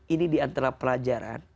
ini di antara pelajaran